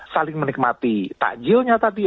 saling menikmati takjilnya tadi